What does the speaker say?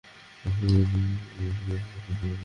ম্যাসেডনিয়ায় আমাকে ছেড়ে পালিয়েছিলে কেন?